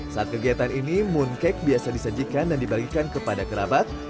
saat kegiatan ini mooncake biasa disajikan dan dibagikan kepada kerabat